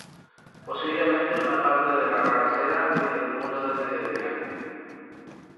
Posiblemente una parte de la cabecera y del muro de mediodía.